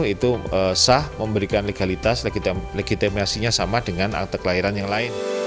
itu sah memberikan legalitas legitimasinya sama dengan akte kelahiran yang lain